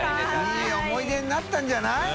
いい思い出になったんじゃない？